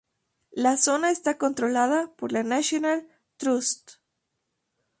La zona está controlada por la National Trust.